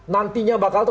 nantinya bakal tuh